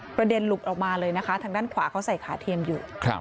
ประเด็นหลุดออกมาเลยนะคะทางด้านขวาเขาใส่ขาเทียมอยู่